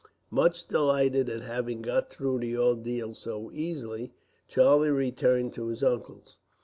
Much delighted at having got through the ordeal so easily, Charlie returned to his uncle's.